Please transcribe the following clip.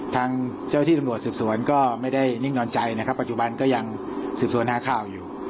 ทางเจ้าที่ตำรวจสืบสวนก็ไม่ได้นิ่งนอนใจนะครับปัจจุบันก็ยังสืบสวนหาข่าวอยู่